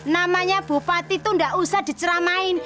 namanya bupati itu tidak usah diceramain